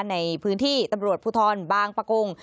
ในพื้นที่ตำรวจภูทรบางประกง